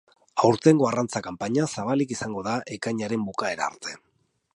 Aurtengo arrantza kanpaina zabalik izango da ekainaren bukaera arte.